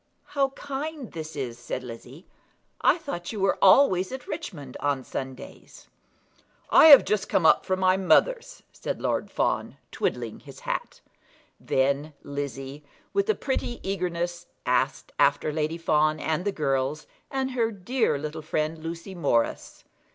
"How kind this is," said Lizzie. "I thought you were always at Richmond on Sundays." "I have just come up from my mother's," said Lord Fawn, twiddling his hat. Then Lizzie, with a pretty eagerness, asked after Lady Fawn and the girls, and her dear little friend Lucy Morris.